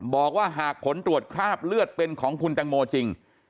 บอกว่าหากผลตรวจคราบเลือดเป็นของคุณแตงโมจริง